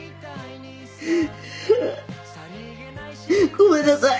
ごめんなさい！